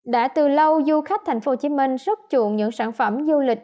đã từ lâu du khách tp hcm rất chuộng những sản phẩm du lịch